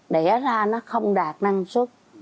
đẻ ra nó không đạt năng suất